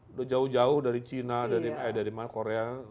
udah jauh jauh dari china eh dari korea